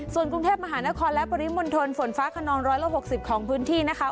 ส่วนกรุงเทพมหานครและปริมณฑลฝนฟ้าขนอง๑๖๐ของพื้นที่นะคะ